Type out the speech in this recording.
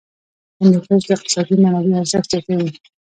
هندوکش د اقتصادي منابعو ارزښت زیاتوي.